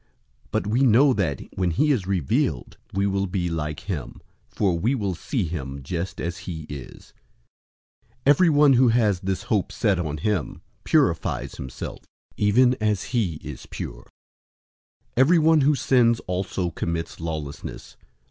But we know that, when he is revealed, we will be like him; for we will see him just as he is. 003:003 Everyone who has this hope set on him purifies himself, even as he is pure. 003:004 Everyone who sins also commits lawlessness.